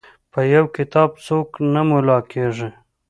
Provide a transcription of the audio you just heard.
په یو کتاب څوک نه ملا کیږي.